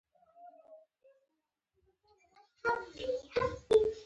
دا دندې پرمختللو هېوادونو ته انتقالېږي